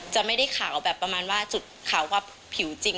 จะไม่ได้ขาวแบบประมาณว่าจุดขาวกับผิวจริง